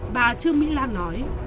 bà trương mỹ lan nói